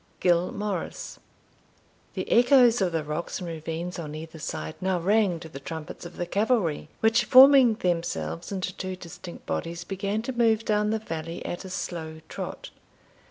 Gil Morrice. The echoes of the rocks and ravines, on either side, now rang to the trumpets of the cavalry, which, forming themselves into two distinct bodies, began to move down the valley at a slow trot.